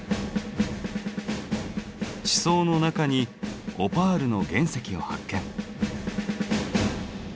地層の中にオパールの原石を発見。